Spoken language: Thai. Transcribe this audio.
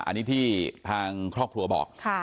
อันนี้ที่ทางครอบครัวบอกนะครับ